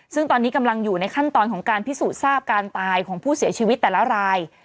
ซึ่งตอนนี้กำลังอยู่ในขั้นตอนของการพิสูจน์ทราบการตายของผู้เสียชีวิตแต่ละราย